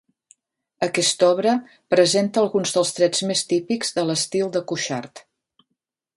Aquesta obra presenta alguns dels trets més típics de l'estil de Cuixart.